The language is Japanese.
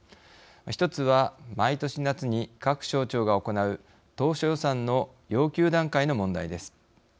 １つは毎年夏に各省庁が行う当初予算の要求段階の問題です。